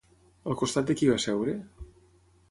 Al costat de qui va seure?